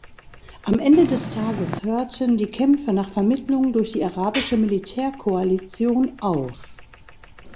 Am Ende des Tages hörten die Kämpfe nach Vermittlung durch die arabische Militärkoalition auf.